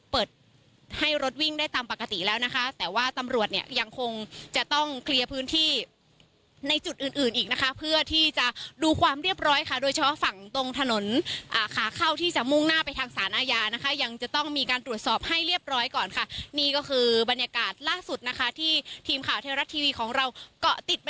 เปิดให้รถวิ่งได้ตามปกติแล้วนะคะแต่ว่าตำรวจเนี่ยยังคงจะต้องเคลียร์พื้นที่ในจุดอื่นอื่นอีกนะคะเพื่อที่จะดูความเรียบร้อยค่ะโดยเฉพาะฝั่งตรงถนนอ่าขาเข้าที่จะมุ่งหน้าไปทางสารอาญานะคะยังจะต้องมีการตรวจสอบให้เรียบร้อยก่อนค่ะนี่ก็คือบรรยากาศล่าสุดนะคะที่ทีมข่าวเทวรัฐทีวีของเราก็ติดไป